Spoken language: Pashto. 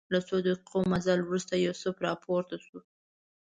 له څو دقیقو مزل وروسته یوسف راپورته شو.